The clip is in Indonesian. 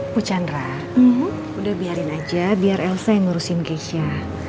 puchandra udah biarin aja biar elsa yang ngurusin keisha